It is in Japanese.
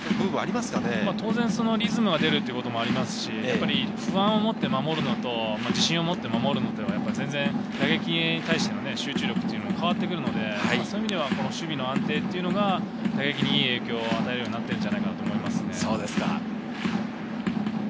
当然リズムが出るということもありますし、不安を持って守るのと、自信を持って守るのとでは打撃に対しての集中力も変わってくるので、守備の安定というのが打撃にいい影響を与えているのだと思います。